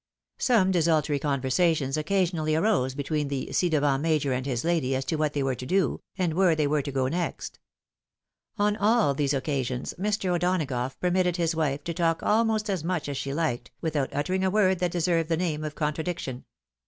Some desultory conversations occasionally arose between the ci devant major and his lady as to what they were to do, and where they were to go next. On all these occasions, Mr. O'Donagough permitted his wife to talk almost as much as she liked, without uttering a word that deserved the name of contra diction.